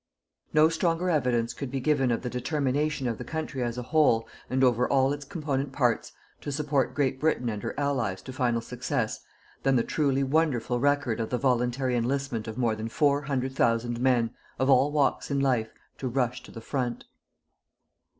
No stronger evidence could be given of the determination of the country as a whole, and over all its component parts, to support Great Britain and her Allies to final success, than the truly wonderful record of the voluntary enlistment of more than four hundred thousand men, of all walks in life, to rush to the front.